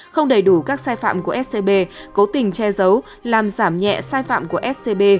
không đầy đủ các sai phạm của scb cố tình che giấu làm giảm nhẹ sai phạm của scb